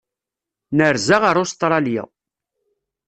Nerza ar Ustṛalya.